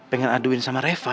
pengen aduin sama reva